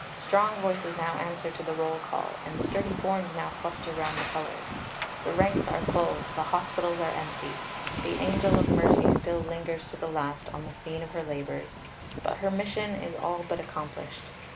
Strong voices now answer to the roll call, and sturdy forms now cluster round the colours. The ranks are full, the hospitals are empty. The angel of mercy still lingers to the last on the scene of her labours; but her mission is all but accomplished.